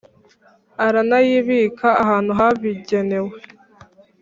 aranayibika ahantu habigenewe.